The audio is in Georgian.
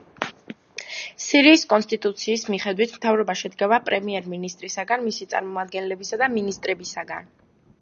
სირიის კონსტიტუციის მიხედვით მთავრობა შედგება პრემიერ მინისტრისგან, მისი წარმომადგენლებისა და მინისტრებისგან.